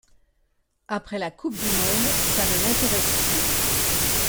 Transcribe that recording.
Après la Coupe du monde… Ça ne m'intéresse plus.